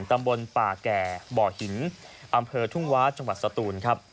ตำบลป่าแก่บ่อหินอำเภอทุ่งวาจังหวัดสตูนครับ